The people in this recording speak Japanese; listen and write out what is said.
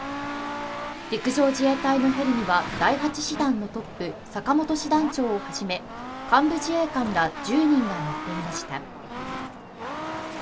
陸上自衛隊のヘリには第８師団のトップ坂本師団長をはじめ幹部自衛官ら１０人が乗っていました。